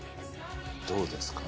どうですか？